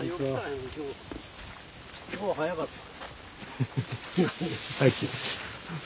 今日は早かったな。